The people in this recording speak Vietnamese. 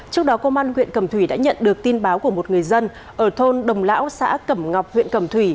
trước đó công an huyện cẩm thủy đã nhận được tin báo của một người dân ở thôn đồng lão xã cẩm ngọc huyện cẩm thủy